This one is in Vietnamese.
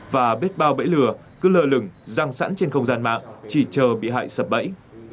và biết bao bẫy lừa cứ lờ lửng giang sẵn trên không gian mạng chỉ chờ bị hại sập bẫy